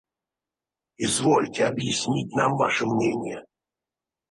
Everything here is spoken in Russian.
– Извольте объяснить нам ваше мнение».